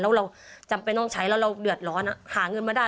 แล้วเราจำเป็นต้องใช้แล้วเราเดือดร้อนหาเงินมาได้